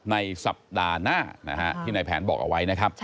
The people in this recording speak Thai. ในสัปดาห์หน้าที่ในแผนบอกเอาไว้นะครับ